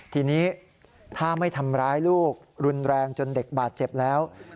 ทีนี้ถ้าไม่ทำร้ายลูกรุนแรงจนเด็กบาดเจ็บแล้ว